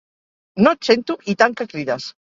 No et sento i tant que crides